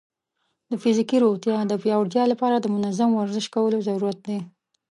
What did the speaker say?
د فزیکي روغتیا د پیاوړتیا لپاره د منظم ورزش کولو ضرورت دی.